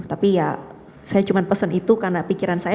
tapi ya saya cuma pesen itu karena pikiran saya